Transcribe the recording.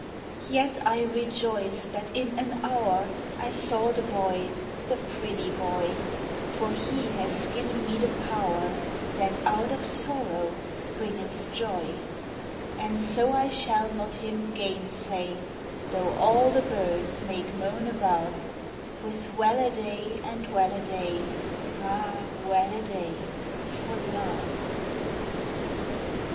Yet I rejoice that in an hour I saw the boy, the pretty boy ; For he has given me the power That out of sorrow bringeth joy. And so I shall not him gainsay, Though all the birds make moan above, With well a day and well a day, Ah ! well a day for love.